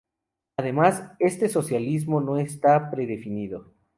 Además, este socialismo no está predefinido.